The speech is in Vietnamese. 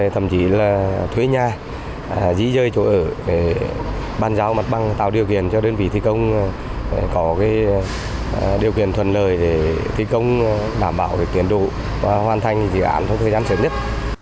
thậm chí là thuê nhà dĩ dơi chỗ ở để bàn giao mặt bằng tạo điều kiện cho đơn vị thi công có điều kiện thuận lợi để thi công đảm bảo tiến độ và hoàn thành dự án trong thời gian sớm nhất